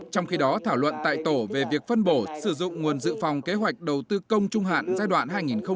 trong khi đó thảo luận tại tổ về việc phân bổ sử dụng nguồn dự phòng kế hoạch đầu tư công trung hạn giai đoạn hai nghìn một mươi sáu hai nghìn hai mươi